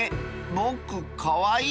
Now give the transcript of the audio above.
ぼくかわいい？